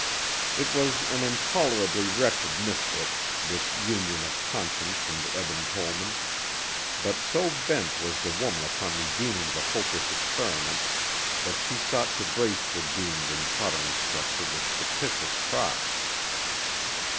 It was an intolerably wretched misfit, this union of Conscience and Eben Tollman, but so bent was the woman upon redeeming the hopeless experiment that she sought to brace the doomed and tottering structure with fictitious props.